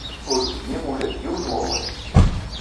Ur d-tenni ula d yiwen n wawal.